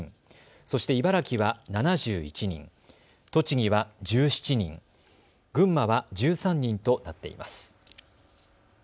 そして茨城は７１人、栃木は１７人、群馬は１３人となっています。